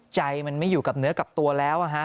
ใจมันไม่อยู่กับเนื้อกับตัวแล้ว